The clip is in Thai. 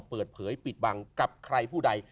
เปิดเผยปิดบังกับใครผู้ใด